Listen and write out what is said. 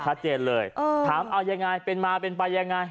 ชัดเจนเลยถามเป็นมาเป็นไปยังไง